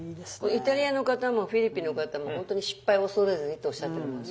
イタリアの方もフィリピンの方も本当に失敗を恐れずにっておっしゃってるもんね。